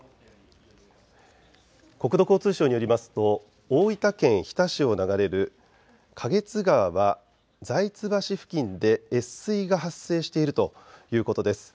国土交通省によりますと大分県日田市を流れる花月川は財津橋付近で越水が発生しているということです。